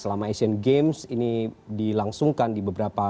selama asian games ini dilangsungkan di beberapa